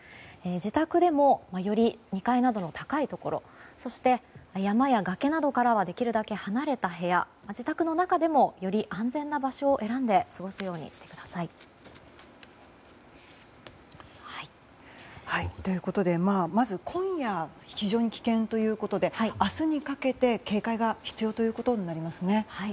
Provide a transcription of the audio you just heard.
自宅でもより２階などの高いところそして、山や崖などからはできるだけ離れた部屋ご自宅の中でもより安全な場所を選んで過ごすようにしてください。ということで、まず今夜非常に危険ということで明日にかけて警戒が必要となりますね。